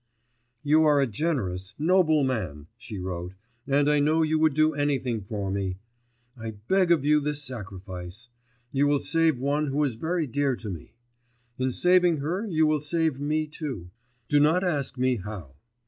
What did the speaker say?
'You are a generous, noble man,' she wrote, 'and I know you would do anything for me; I beg of you this sacrifice. You will save one who is very dear to me. In saving her, you will save me too.... Do not ask me how.